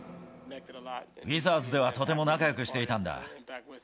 ウィザーズではとても仲よくしていたんだ。